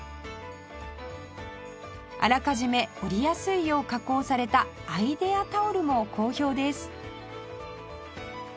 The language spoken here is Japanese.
あらかじめ折りやすいよう加工されたアイデアタオルも好評です